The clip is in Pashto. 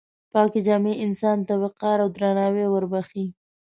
پاکې جامې انسان ته وقار او درناوی وربښي.